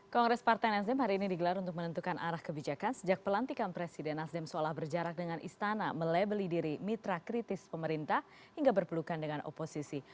kongres partai nasdem hari ini digelar untuk menentukan arah kebijakan sejak pelantikan presiden nasdem seolah berjarak dengan istana melabeli diri mitra kritis pemerintah hingga berpelukan dengan oposisi